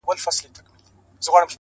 ژور لید کوچنۍ تېروتنې کموي,